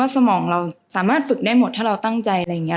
สมองเราสามารถฝึกได้หมดถ้าเราตั้งใจอะไรอย่างนี้